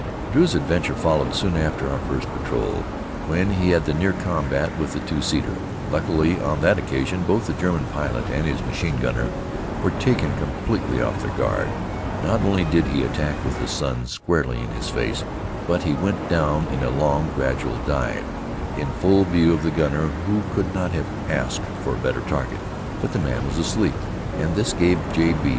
Drew's adventure followed soon after our first patrol, when he had the near combat with the two seater. Luckily, on that occasion, both the German pilot and his machine gunner were taken completely off their guard. Not only did he attack with the sun squarely in his face, but he went down in a long, gradual dive, in full view of the gunner, who could not have asked for a better target. But the man was asleep, and this gave J. B.